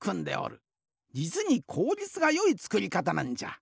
じつにこうりつがよいつくりかたなんじゃ。